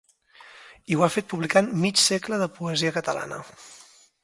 I ho ha fet publicant Mig segle de poesia catalana.